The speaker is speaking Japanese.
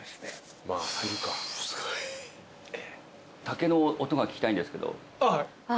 竹の音が聞きたいんですけど。